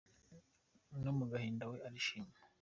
No mugahinda we arishima.